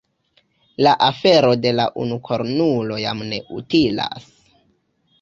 La afero de la unukornulo jam ne utilas.